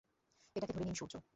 এটাকে ধরে নিন সূর্য।